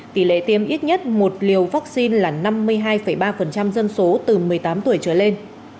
tỷ lệ tiêm ít nhất một liều vaccine là năm mươi hai ba dân số từ một mươi tám tuổi trở lên